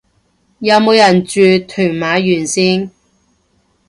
有冇人住屯馬沿線